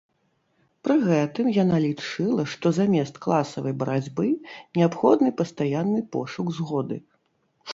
Пры гэтым яна лічыла, што замест класавай барацьбы неабходны пастаянны пошук згоды.